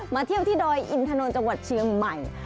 เที่ยวที่ดอยอินทนนท์จังหวัดเชียงใหม่